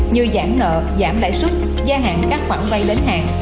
như giảm nợ giảm lãi suất gia hạn các khoản vay đến hàng